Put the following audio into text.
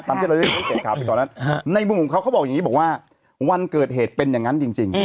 ที่เราได้สังเกตข่าวไปตอนนั้นในมุมของเขาเขาบอกอย่างนี้บอกว่าวันเกิดเหตุเป็นอย่างนั้นจริง